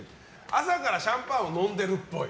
朝からシャンパンを飲んでるっぽい。